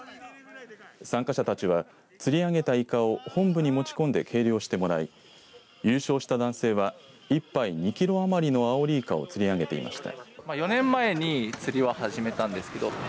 参加者たちは釣り上げた、いかを本部に持ち込んで計量してもらい優勝した男性は１杯２キロ余りのアオリイカを釣り上げていました。